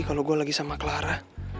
kalau gue lagi sama clara